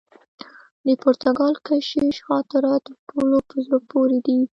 د پرتګالي کشیش خاطرات تر ټولو په زړه پوري دي.